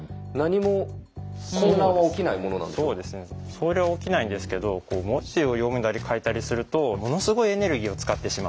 それは起きないんですけど文字を読んだり書いたりするとものすごいエネルギーを使ってしまう。